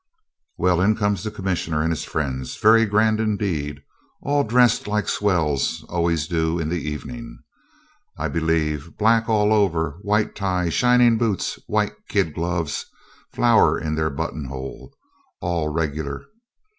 Well, in comes the Commissioner and his friends, very grand indeed, all dressed like swells always do in the evening, I believe, black all over, white tie, shining boots, white kid gloves, flower in their buttonhole, all regular.